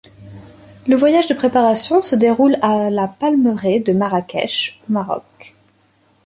Le voyage de préparation se déroule à la Palmeraie de Marrakech, au Maroc.